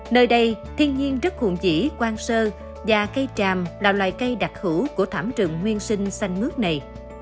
nơi đây thiên nhiên rất hùng dĩ quan sơ và cây tràm là loài cây đặc hữu của thảm trường nguyên sinh xanh mướt này